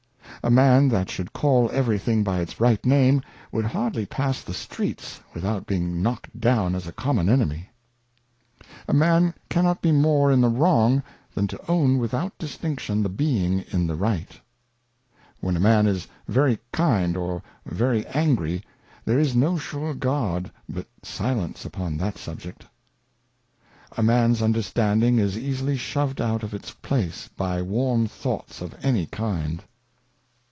A Man that should call every thing by its right Name, would hardly pass the Streets without being knocked down as a common Enemy. A Man cannot be more in the Wrong than to own without Distinction the being in the Right. When a Man is very kind or very angry, there is no sure Guard but Silence upon that Subject. A Man's Understanding is easily shoved out of its Place by warm Thoughts of any kind.